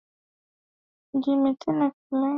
Vita ya ba mbote inafanya batu basi lime tena ku kalemie